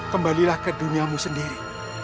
kembalilah ke duniamu sendiri